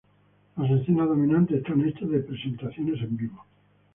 Las escenas dominantes están hechas de presentaciones en vivo.